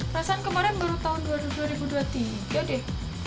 perasaan kemarin baru tahun dua ribu dua puluh tiga deh